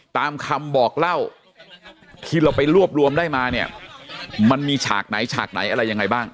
ตามคำบอกเล่าที่เราไปรวบรวมได้มาเนี่ยมันมีฉากไหนฉากไหนอะไรยังไงบ้าง